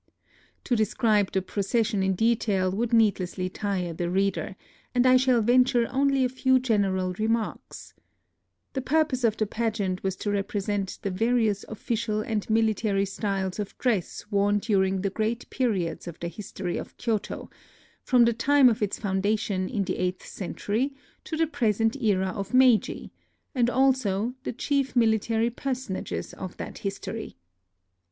To describe the procession in detail would needlessly tire the reader ; and I shall venture only a few general remarks. The purpose of the pageant was to represent the various offi cial and military styles of dress worn during the great periods of the history of Kyoto, from the time of its foundation in the eighth century to the present era of Meiji, and also the chief military personages of that history.